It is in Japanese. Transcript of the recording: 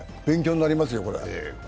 勉強になりますよ、これは。